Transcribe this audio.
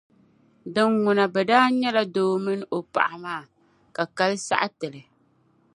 dinŋuna bɛ daa nyɛla doo mini o paɣa maa, ka kali saɣi ti li.